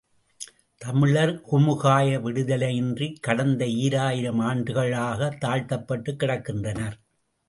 தமிழர் குமுகாய விடுதலையின்றிக் கடந்த ஈராயிரம் ஆண்டுகளாகத் தாழ்த்தப்பட்டுக் கிடக்கின்றனர்.